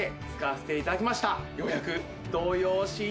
ようやく。